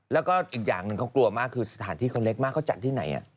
แล้วก็อีกห่างอื่นก็กลัวมากคือสถานที่เขาเล็กมากก็จัดที่ไหนนะ